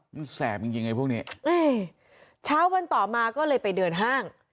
มันแสบยังไงพวกนี้เช้าวันต่อมาก็เลยไปเดินห้าง